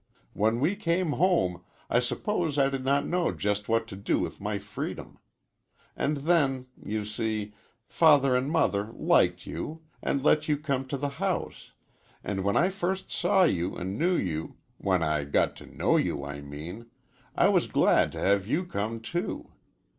When we came home, I suppose I did not know just what to do with my freedom. And then, you see, Father and Mother liked you, and let you come to the house, and when I first saw you and knew you when I got to know you, I mean I was glad to have you come, too.